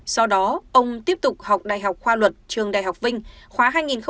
sau đó ông tiếp tục học đại học khoa luật trường đại học vinh khóa hai nghìn một mươi hai hai nghìn một mươi năm